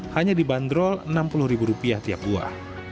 hanya dibanderol enam puluh rupiah tiap buah